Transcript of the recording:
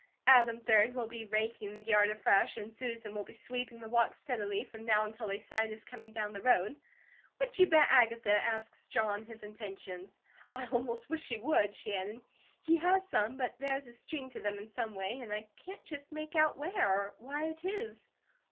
Adam, 3d, will be raking the yard afresh and Susan will be sweeping the walks steadily from now until they sight us coming down the road. What you bet Agatha asked John his intentions? I almost wish she would," she added. "He has some, but there is a string to them in some way, and I can't just make out where, or why it is."